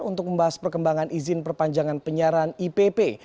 untuk membahas perkembangan izin perpanjangan penyiaran ipp